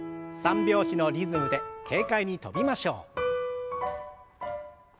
３拍子のリズムで軽快に跳びましょう。